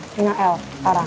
sama el sekarang